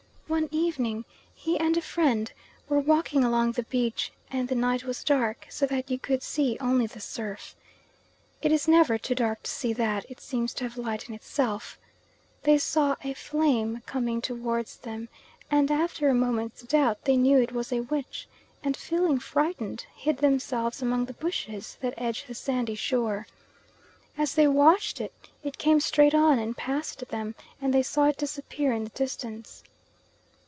One evening he and a friend were walking along the beach and the night was dark, so that you could see only the surf. It is never too dark to see that, it seems to have light in itself. They saw a flame coming towards them, and after a moment's doubt they knew it was a witch, and feeling frightened, hid themselves among the bushes that edge the sandy shore. As they watched, it came straight on and passed them, and they saw it disappear in the distance.